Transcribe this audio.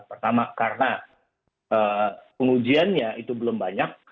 pertama karena pengujiannya itu belum banyak